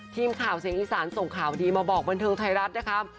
ทีมข่าวเสียงอีสานส่งข่าวดีมาบอกบันเทิงไทยรัฐนะคะ